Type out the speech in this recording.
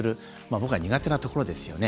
僕らが苦手なところですよね